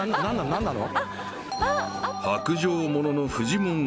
何なの？